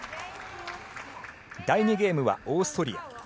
第２ゲームはオーストリア。